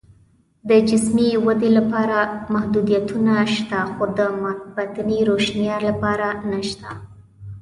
د جسمي ودې لپاره محدودیتونه شته، خو د باطني روښنتیا لپاره نشته